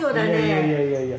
いやいやいやいや。